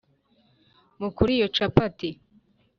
Ma kuri iyo capati